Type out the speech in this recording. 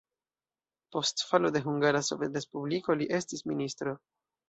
Post falo de Hungara Sovetrespubliko li estis ministro.